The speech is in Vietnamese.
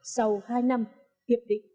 sau hai năm hiệp định paris được ký kết